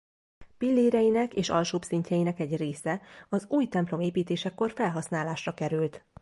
Pilléreinek és alsóbb szintjeinek egy része az új templom építésekor felhasználásra került.